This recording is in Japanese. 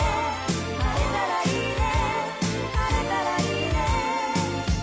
「晴れたらいいね」